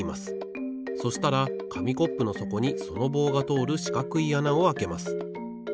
そしたらかみコップのそこにその棒がとおるしかくいあなをあけます。